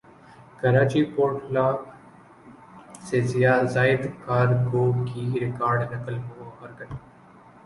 Karachi port lakh سے زائد cargo کی ریکارڈ نقل وحرکت